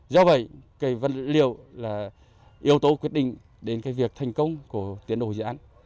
do vậy cái vật liệu là yếu tố quyết định đến cái việc thành công của tiến độ dự án